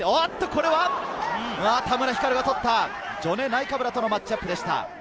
これは田村煕が捕った、ジョネ・ナイカブラとのマッチアップでした。